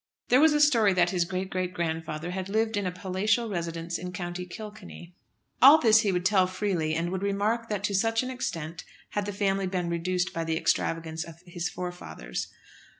There was a story that his great great grandfather had lived in a palatial residence in County Kilkenny. All this he would tell freely, and would remark that to such an extent had the family been reduced by the extravagance of his forefathers.